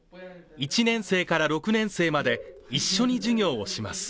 １年生から６年生まで、一緒に授業をします。